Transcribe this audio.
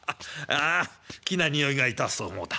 あ奇な臭いがいたすと思うた。